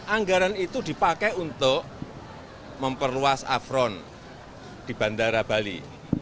anggaran itu dipakai untuk memperluas afron di bandara bali